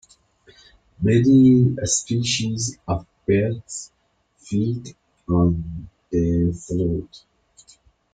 Many species of birds feed on the fruits.